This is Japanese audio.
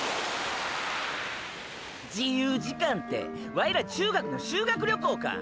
自由時間てワイら中学の修学旅行か！